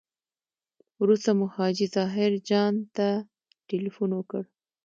وروسته مو حاجي ظاهر جان ته تیلفون وکړ.